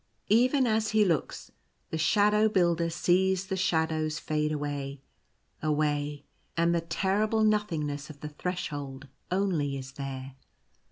Even as he looks, the Shadow Builder sees the shadows fade away, away, and the terrible nothing ness of the Threshold only is there.